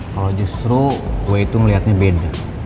kalau justru gue itu melihatnya beda